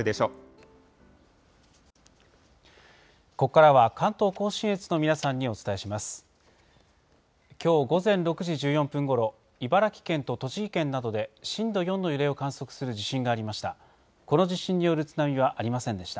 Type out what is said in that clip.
きょう午前６時１４分ごろ、茨城県と栃木県などで、震度４の揺れを観測する地震がありました。